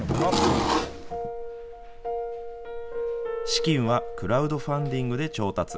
資金はクラウドファンディングで調達。